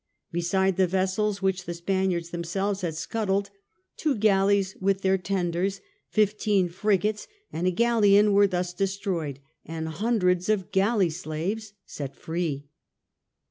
Besides the vessels which the Spaniards themselves had scuttled, two galleys with their tenders, fifteen frigates, and a galleon were thus destroyed, and hundreds of galley slaves set free.